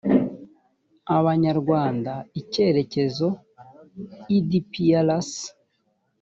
abanyarwanda icyerekezo edprs